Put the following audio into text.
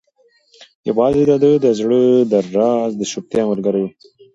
یوازې د ده د زړه درزا د چوپتیا ملګرې وه.